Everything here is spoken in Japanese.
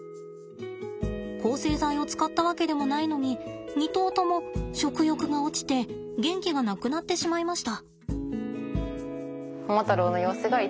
抗生剤を使ったわけでもないのに２頭とも食欲が落ちて元気がなくなってしまいました。